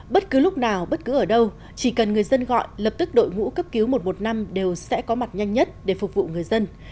bất cứ lúc nào bất cứ ở đâu chỉ cần người dân gọi lập tức đội ngũ cấp cứu một trăm một mươi năm đều sẽ có mặt nhanh nhất để phục vụ người dân